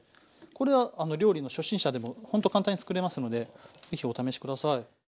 これは料理の初心者でもほんと簡単に作れますので是非お試し下さい。